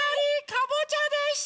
かぼちゃでした！